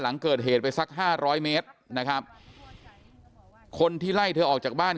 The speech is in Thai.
หลังเกิดเหตุไปสักห้าร้อยเมตรนะครับคนที่ไล่เธอออกจากบ้าน